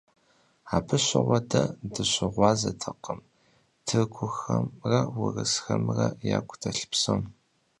Абы щыгъуэ дэ дыщыгъуазэтэкъым тыркухэмрэ урысхэмрэ яку дэлъ псом.